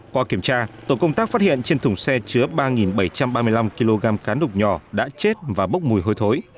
qua kiểm tra tổ công tác phát hiện trên thùng xe chứa ba bảy trăm ba mươi năm kg cá đục nhỏ đã chết và bốc mùi hôi thối